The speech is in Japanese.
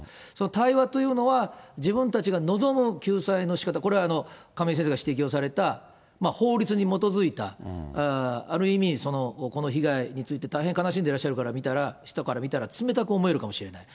対話というのは、自分たちが望む救済のしかた、これは亀井先生が指摘をされた、法律に基づいた、ある意味、この被害について大変悲しんでらっしゃる方から見たら、人から見たら、冷たく思えるかもしれない。